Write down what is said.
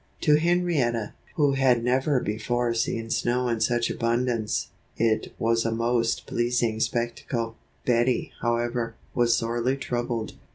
To Henrietta, who had never before seen snow in such abundance, it was a most pleasing spectacle. Bettie, however, was sorely troubled.